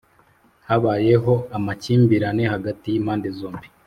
habayeho amakimbirane hagati y impande zombi